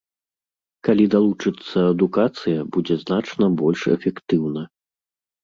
Калі далучыцца адукацыя, будзе значна больш эфектыўна.